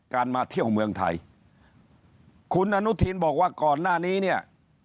มาเที่ยวเมืองไทยคุณอนุทินบอกว่าก่อนหน้านี้เนี่ย